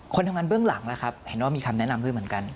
คนทำงานเบื้องหลังล่ะครับเห็นว่ามีคำแนะนำด้วยเหมือนกัน